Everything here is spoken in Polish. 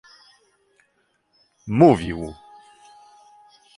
Mówił